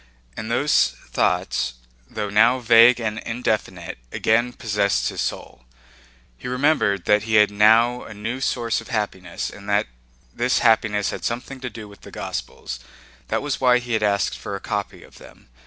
And those thoughts, though now vague and indefinite, again possessed his soul. He remembered that he had now a new source of happiness and that this happiness had something to do with the Gospels. That was why he asked for a copy of them.